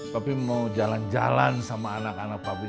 papih mau jalan jalan sama anak anak papih